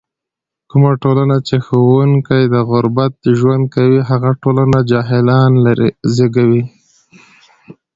کومه ټولنه کې چې ښوونکی د غربت ژوند کوي، هغه ټولنه جاهلان زږوي.